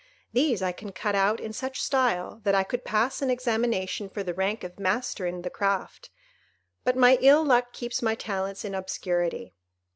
These I can cut out in such style, that I could pass an examination for the rank of master in the craft; but my ill luck keeps my talents in obscurity."